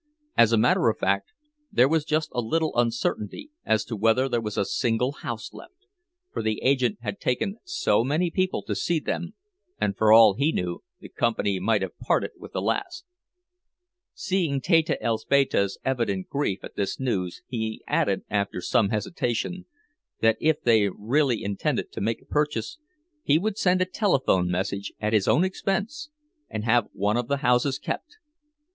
As a matter of fact there was just a little uncertainty as to whether there was a single house left; for the agent had taken so many people to see them, and for all he knew the company might have parted with the last. Seeing Teta Elzbieta's evident grief at this news, he added, after some hesitation, that if they really intended to make a purchase, he would send a telephone message at his own expense, and have one of the houses kept.